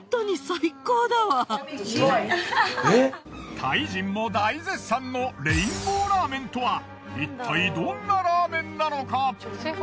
タイ人も大絶賛のレインボーラーメンとはいったいどんなラーメンなのか？